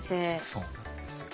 そうなんですよ。